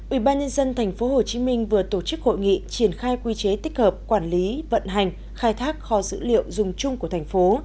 ubnd tp hcm vừa tổ chức hội nghị triển khai quy chế tích hợp quản lý vận hành khai thác kho dữ liệu dùng chung của thành phố